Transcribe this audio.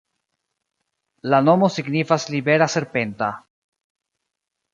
La nomo signifas libera-serpenta.